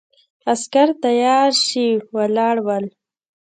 عسکر تیارسي ولاړ ول.